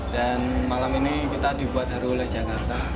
dan malam ini kita dibuat haru oleh jakarta